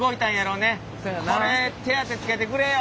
「これ手当つけてくれよ」